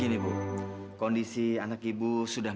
nah kondisi anak ibu nya